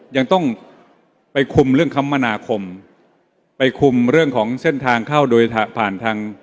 ยังต้องไปคุมเรื่องคมนาคมไปคุมเรื่องของเส้นทางเข้าโดยผ่านทาง